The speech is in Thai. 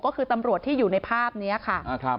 ก็คือตำรวจที่อยู่ในภาพนี้ค่ะ